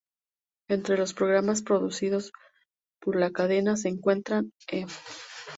Entre los programas producidos por la cadena se encuentran "E!